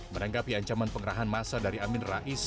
menanggapi ancaman pengerahan masa dari amin rais